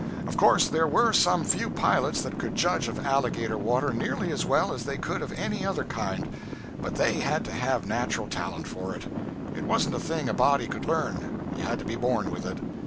Of course there were some few pilots that could judge of alligator water nearly as well as they could of any other kind, but they had to have natural talent for it; it wasn't a thing a body could learn, you had to be born with it.